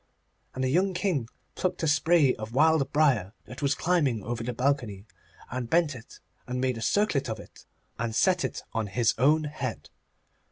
And the young King plucked a spray of wild briar that was climbing over the balcony, and bent it, and made a circlet of it, and set it on his own head.